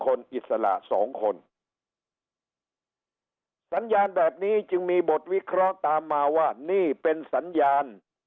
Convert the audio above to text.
อิสระสองคนสัญญาณแบบนี้จึงมีบทวิเคราะห์ตามมาว่านี่เป็นสัญญาณ